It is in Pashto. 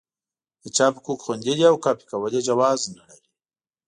د چاپ حقوق خوندي دي او کاپي کول یې جواز نه لري.